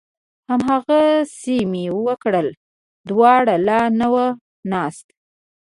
هماغسې مې وکړل، دوړه لا نه وه ناسته